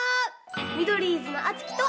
ミドリーズのあつきと。